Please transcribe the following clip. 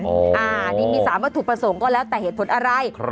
อันนี้มี๓วัตถุประสงค์ก็แล้วแต่เหตุผลอะไร